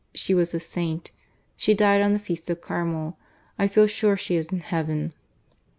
She was a saint. She died on the feast of Carmel. I feel sure she is in Heaven."